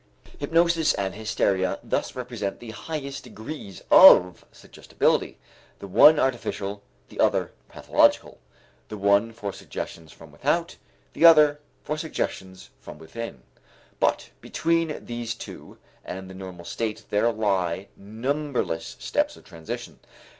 Hypnosis and hysteria thus represent the highest degrees of suggestibility, the one artificial, the other pathological; the one for suggestions from without, the other for suggestions from within. But between these two and the normal state there lie numberless steps of transition.